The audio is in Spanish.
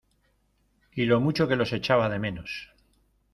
y lo mucho que los echaba de menos.